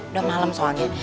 udah malem soalnya